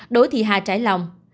đỗ thị hà trải lòng